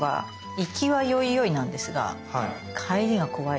行きはよいよいなんですが帰りが怖いので。